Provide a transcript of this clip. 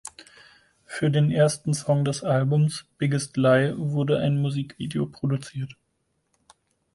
Für den ersten Song des Albums "Biggest Lie" wurde ein Musikvideo produziert.